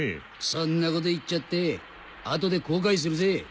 そんなこと言っちゃって後で後悔するぜ。